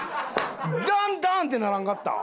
ダンダンってならんかった？